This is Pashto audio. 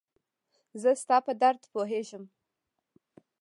زه ستا په درد پوهيږم